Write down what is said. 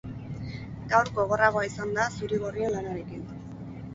Gaur gogorragoa izan da zuri-gorrien lanarekin.